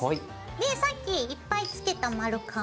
でさっきいっぱい付けた丸カン。